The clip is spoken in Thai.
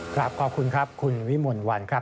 ครับขอบคุณครับคุณวิมลวันครับ